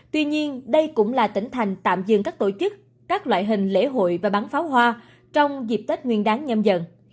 tuy nhiên đây cũng là tỉnh thành tạm dừng các tổ chức các loại hình lễ hội và bán pháo hoa trong dịp tết nguyên đáng nhâm dần